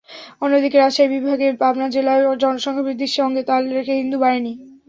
অন্যদিকে রাজশাহী বিভাগের পাবনা জেলায়ও জনসংখ্যা বৃদ্ধির সঙ্গে তাল রেখে হিন্দু বাড়েনি।